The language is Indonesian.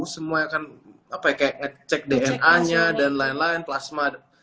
semua akan cek dna nya dan lain lain plasma